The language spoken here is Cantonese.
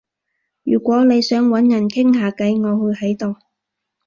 如果你想搵人傾下偈，我會喺度